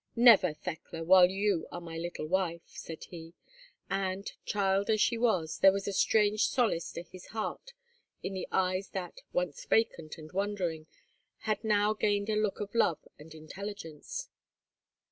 "Never, Thekla! while you are my little wife," said he; and, child as she was, there was strange solace to his heart in the eyes that, once vacant and wondering, had now gained a look of love and intelligence.